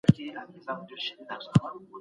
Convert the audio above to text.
لېوه 🐺